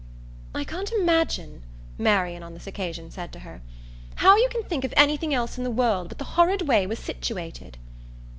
"I can't imagine," Marian on this occasion said to her, "how you can think of anything else in the world but the horrid way we're situated."